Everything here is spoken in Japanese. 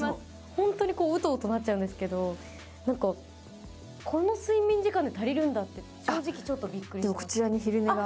本当にウトウトなっちゃうんですけどこの睡眠時間で足りるんだって正直ちょっとびっくりしました。